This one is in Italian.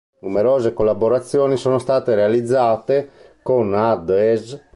Numerose collaborazioni sono state realizzate con ad es.